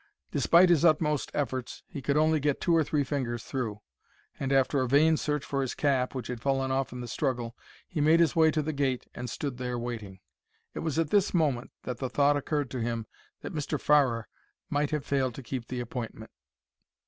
Despite his utmost efforts he could only get two or three fingers through, and after a vain search for his cap, which had fallen off in the struggle, he made his way to the gate and stood there waiting. It was at this moment that the thought occurred to him that Mr. Farrer might have failed to keep the appointment.